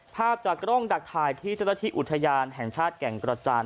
ภาพจากกล้องดักถ่ายที่เจ้าหน้าที่อุทยานแห่งชาติแก่งกระจาน